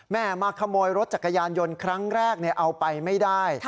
มาขโมยรถจักรยานยนต์ครั้งแรกเอาไปไม่ได้